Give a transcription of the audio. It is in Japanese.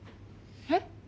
えっ？